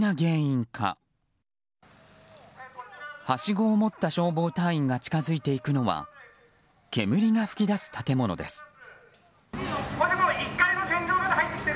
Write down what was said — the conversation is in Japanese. はしごを持った消防隊員が近づいていくのは煙が噴き出す建物です。